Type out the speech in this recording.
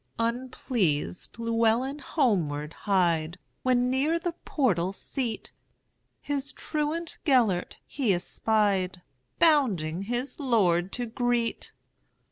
Unpleased Llewelyn homeward hied, When, near the portal seat, His truant Gêlert he espied, Bounding his lord to greet.